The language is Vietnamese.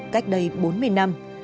cách đây bốn mươi năm